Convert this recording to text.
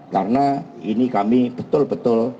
karena ini kami betul betul